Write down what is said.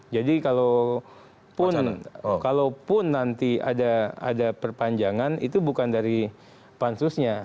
jadi kalau pun nanti ada perpanjangan itu bukan dari pansusnya